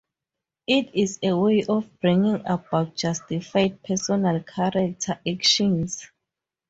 It is a way of bringing about justified, personal character actions.